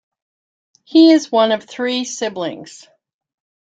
He is one of three siblings.